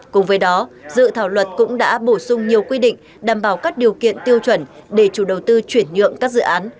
cùng với đó dự thảo luật cũng đã bổ sung nhiều quy định đảm bảo các điều kiện tiêu chuẩn để chủ đầu tư chuyển nhượng các dự án